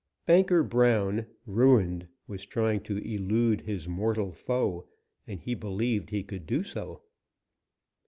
"Banker Brown," ruined, was trying to elude his mortal foe, and he believed he could do so.